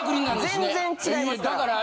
全然違いますから。